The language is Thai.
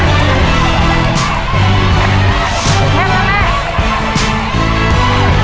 พิมพ์พิมพ์มาช่วยหน่อยก็ได้นะ